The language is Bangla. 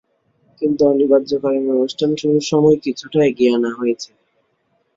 কিন্তু অনিবার্য কারণে অনুষ্ঠান শুরুর সময় কিছুটা এগিয়ে আনা হয়েছে।